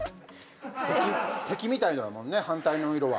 敵みたいだもんね、反対の色は。